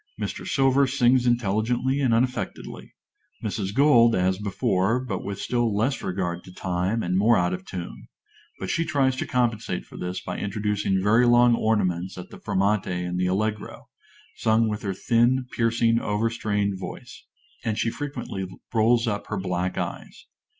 Mr. Silver sings intelligently and unaffectedly; Mrs. Gold, as before, but with still less regard to time, and more out of tune; but she tries to compensate for this by introducing very long ornaments at the fermate in the allegro, sung with her thin, piercing, over strained voice; and she frequently rolls up her black eyes.